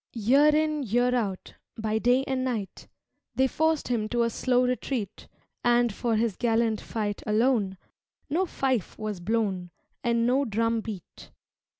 Year in, year out, by day and night They forced him to a slow retreat, And for his gallant fight alone No fife was blown, and no drum beat.